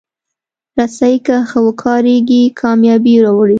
رسۍ که ښه وکارېږي، کامیابي راوړي.